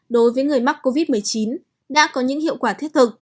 đối với người mắc covid một mươi chín đã có những hiệu quả thiết thực